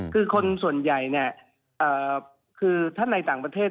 คือคนส่วนใหญ่ถ้าในต่างประเทศ